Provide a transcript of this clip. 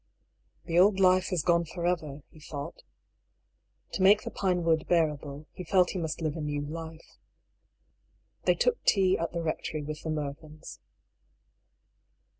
" The old life has gone for ever," he thought. To make the Pinewood bearable, he felt he must live a new life. They took tea at the Eectory with the Mervyns.